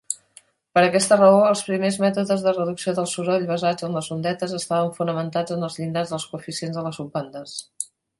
Per aquesta raó, els primers mètodes de reducció del soroll basats en les ondetes estaven fonamentats en els llindars dels coeficients de les subbandes.